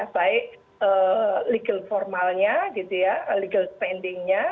baik legal formalnya legal spendingnya